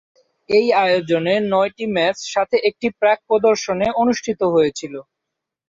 এই আয়োজনে নয়টি ম্যাচ, সাথে একটি প্রাক প্রদর্শনে অনুষ্ঠিত হয়েছিল।